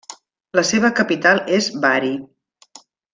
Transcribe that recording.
La seva capital és Bari.